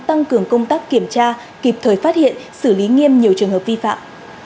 tăng cường công tác kiểm tra kịp thời phát hiện xử lý nghiêm nhiều trường hợp vi phạm